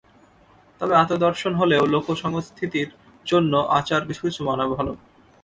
তবে আত্মদর্শন হলেও লোকসংস্থিতির জন্য আচার কিছু কিছু মানা ভাল।